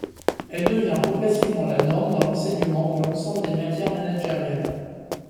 Elle devient progressivement la norme dans l’enseignement pour l’ensemble des matières managériales.